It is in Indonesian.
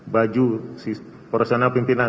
baju si operasional pimpinan